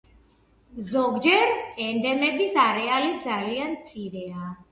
ზოგჯერ ენდემების არეალი ძალიან მცირეა.